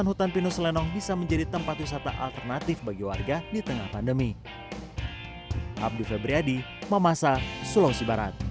hutan pinus lenong bisa menjadi tempat wisata alternatif bagi warga di tengah pandemi